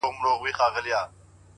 اې تاته وايم دغه ستا تر سترگو بد ايسو.!